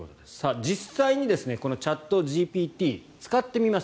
実際にチャットＧＰＴ使ってみました。